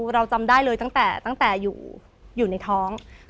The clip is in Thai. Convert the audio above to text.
เราจำได้เลยตั้งแต่อยู่ในท้อง